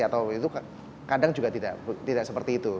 atau itu kadang juga tidak seperti itu